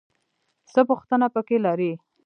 څه پوښتنه پکې لرې؟